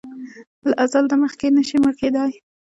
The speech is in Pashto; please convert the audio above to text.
له اځل نه مخکې نه شې مړ کیدای!